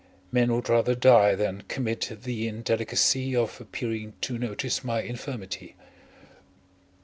Men would rather die than commit the indelicacy of appearing to notice my infirmity.